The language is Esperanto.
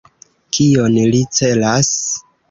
Kion li celas?